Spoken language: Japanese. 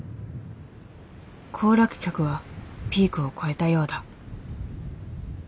行楽客はピークを越えたようだ。